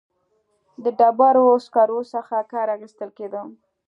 د ډبرو سکرو څخه کار اخیستل کېده.